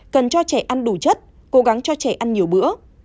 cần cho trẻ ăn đủ chất cố gắng cho trẻ ăn nhiều bữa